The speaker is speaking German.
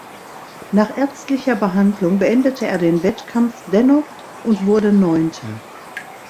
Nach ärztlicher Behandlung beendete er den Wettkampf dennoch und wurde Neunter.